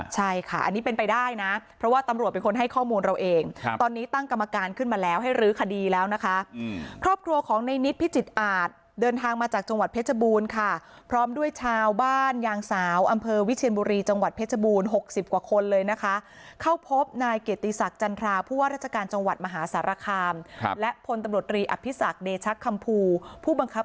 ใช่ค่ะอันนี้เป็นไปได้น่ะเพราะว่าตำรวจเป็นคนให้ข้อมูลเราเองครับตอนนี้ตั้งกรรมการขึ้นมาแล้วให้รื้อคดีแล้วนะคะอืมครอบครัวของในนิดพิจิตอาจเดินทางมาจากจังหวัดเพชรบูรณ์ค่ะพร้อมด้วยชาวบ้านยางสาวอำเภอวิเชียนบุรีจังหวัดเพชรบูรณ์หกสิบกว่าคนเลยนะคะเข้าพบนายเกตีศักดิ์จันทราผู้ว